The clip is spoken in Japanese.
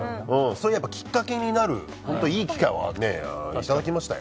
きっかけになるいい機会はいただきましたよ。